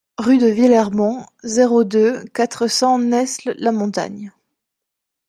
Rue de Villermont, zéro deux, quatre cents Nesles-la-Montagne